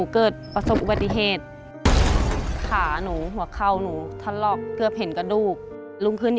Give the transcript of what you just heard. กำพักกวางตุ้งใส่ถึง